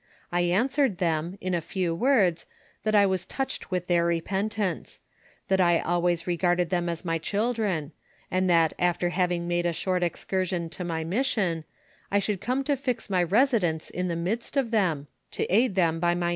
I an swered them, in a few words, that I was touched with their repentance ; that I always regarded them as my children ; and that after having made a short ex cursion to my mission, I should come to fix my residence in the midst of them, I ;): mtkt 4' :■■ ■r.'.